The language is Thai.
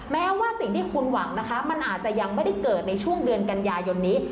แม้ว่าสิ่งที่คุณหวังนะคะมันอาจจะยังไม่ได้เกิดในช่วงเดือนกันยายนนี้